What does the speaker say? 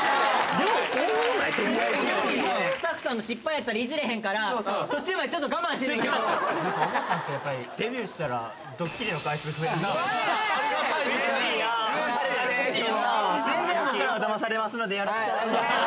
量、スタッフさんの失敗やったら、いじれへんから、途中までちょっと我慢してたんやけど。